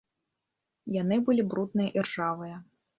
Яны былі брудныя і ржавыя.